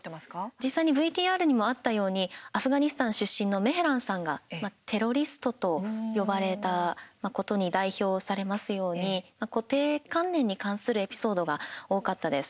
実際にＶＴＲにもあったようにアフガニスタン出身のメヘランさんがテロリストと呼ばれたことに代表されますように固定観点に関するエピソードが多かったです。